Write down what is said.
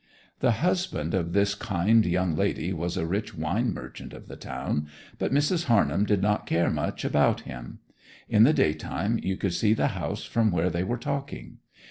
The husband of this kind young lady was a rich wine merchant of the town, but Mrs. Harnham did not care much about him. In the daytime you could see the house from where they were talking.